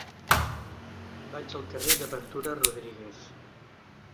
Vaig al carrer de Ventura Rodríguez.